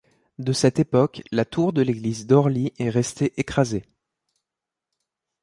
De cette époque la tour de l'église d'Orly est restée écrasée.